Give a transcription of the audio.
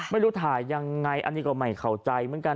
ไม่รู้ถ่ายยังไงอันนี้ก็ไม่เข้าใจเหมือนกัน